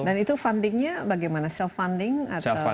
dan itu fundingnya bagaimana self funding atau